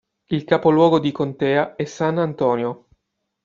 Il capoluogo di contea è San Antonio.